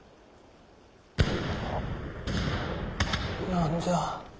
何じゃ？